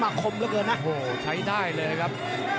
้าวใช้ได้เลยครับ